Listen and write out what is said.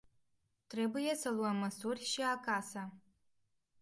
Trebuie să luăm măsuri și acasă.